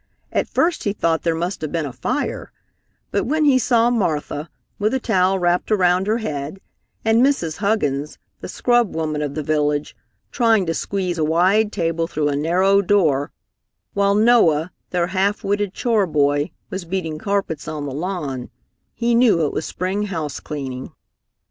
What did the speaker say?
At first he thought there must have been a fire, but when he saw Martha with a towel wrapped around her head, and Mrs. Huggins, the scrub woman of the village, trying to squeeze a wide table through a narrow door, while Noah, their half witted chore boy, was beating carpets on the lawn, he knew it was spring house cleaning.